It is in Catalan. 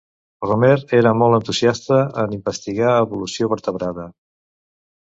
Romer era molt entusiasta en investigar evolució vertebrada.